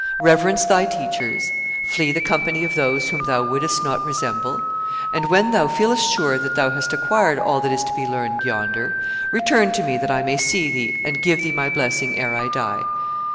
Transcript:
Reverence thy teachers; flee the company of those whom thou wouldest not resemble. ... And when thou feelest sure that thou hast acquired all that is to be learned yonder, return to me that I may see thee and give thee my blessing ere I die.